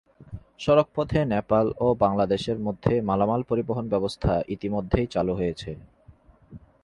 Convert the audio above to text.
সড়কপথে নেপাল ও বাংলাদেশের মধ্যে মালামাল পরিবহণ ব্যবস্থা ইতিমধ্যেই চালু হয়েছে।